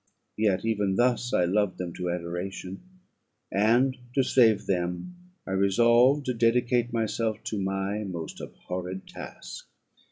Yet even thus I loved them to adoration; and to save them, I resolved to dedicate myself to my most abhorred task.